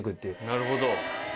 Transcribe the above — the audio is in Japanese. なるほど。